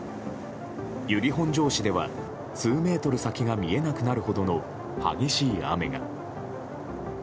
由利本荘市では数メートル先が見えなくなるほどの激しい雨が。